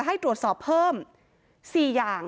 อยู่ดีมาตายแบบเปลือยคาห้องน้ำได้ยังไง